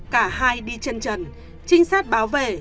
cả hai đi chân trần trinh sát báo về